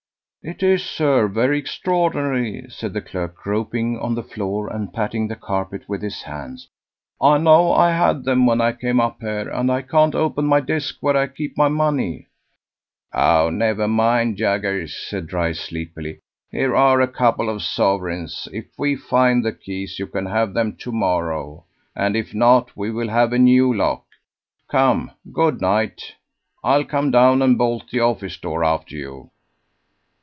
"It is, sir, very extraordinary," said the clerk, groping on the floor and patting the carpet with his hands. "I know I had them when I came up here, and I can't open my desk where I keep my money." "Oh! never mind, Jaggers," said Mr. Dryce sleepily. "Here are a couple of sovereigns. If we find the keys, you can have them to morrow; and if not, we will have a new lock. Come, good night! I'll come down and bolt the office door after you."